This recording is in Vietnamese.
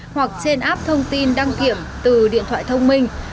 hoặc trên app thông tin đăng kiểm từ điện thoại thông minh